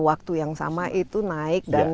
waktu yang sama itu naik dan